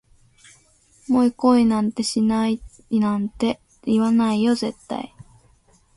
もう恋なんてしないなんて、言わないよ絶対